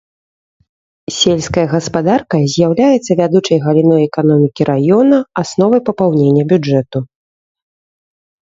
Сельская гаспадарка з'яўляецца вядучай галіной эканомікі раёна, асновай папаўнення бюджэту.